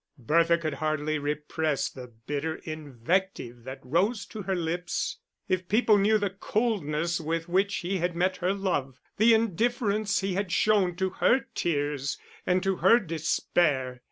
Bertha could hardly repress the bitter invective that rose to her lips. If people knew the coldness with which he had met her love, the indifference he had shown to her tears and to her despair!